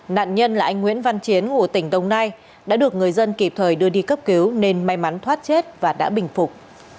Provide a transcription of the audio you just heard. nạn nhân là anh nguyễn văn chiến ngụ tỉnh đồng nai đã được người dân kịp thời đưa đi cấp cứu nên may mắn thoát chết và đã bình phục